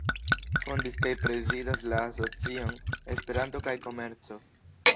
Fondis kaj prezidas la Asocion Esperanto kaj Komerco.